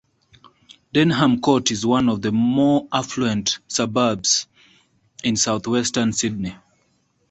Denham Court is one of the more affluent suburbs in south western Sydney.